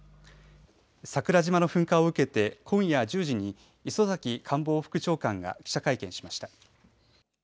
桜島の噴火を受けて今夜１０時に磯崎官房副長官が記者会見しました。